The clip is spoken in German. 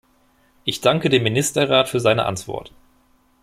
Ich danke dem Ministerrat für seine Antwort.